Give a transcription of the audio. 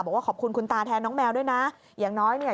บอกว่าขอบคุณคุณตาแทนน้องแมวด้วยนะอย่างน้อยเนี่ย